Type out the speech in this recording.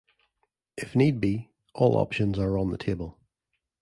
If need be, all options are on the table.